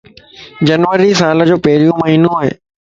جنوري سال ءَ جو پھريون مھينو ائي.